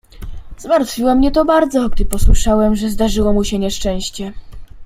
"Zmartwiło mnie to bardzo, gdy posłyszałem, że zdarzyło mu się nieszczęście."